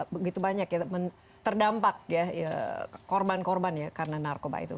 begitu banyak ya terdampak ya korban korban ya karena narkoba itu